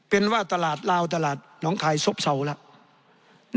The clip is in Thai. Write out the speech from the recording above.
เป็นว่าตลาดลาวตลาดน้องคายซบเศร้าแล้ว